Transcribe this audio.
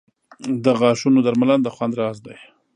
• د غاښونو درملنه د خوند راز دی.